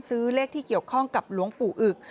เลขที่เกี่ยวข้องกับหลวงปู่อึก